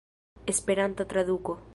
Esperanta traduko.